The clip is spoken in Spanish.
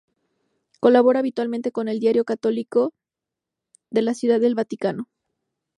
Colabora habitualmente con el diario católico "L'Osservatore Romano", de la Ciudad del Vaticano.